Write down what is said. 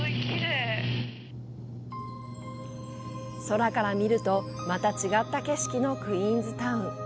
空から見るとまた違った景色のクィーンズタウン。